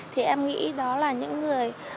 thì em nghĩ đó là những người